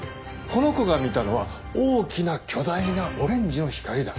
この子が見たのは大きな巨大なオレンジの光だ。